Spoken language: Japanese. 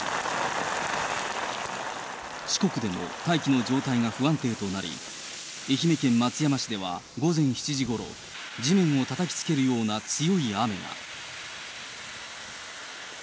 四国でも大気の状態が不安定となり、愛媛県松山市では午前７時ごろ、地面をたたきつけるような強い雨が。